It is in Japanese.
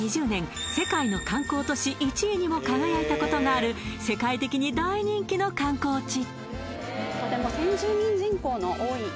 世界の観光都市１位にも輝いたことがある世界的に大人気の観光地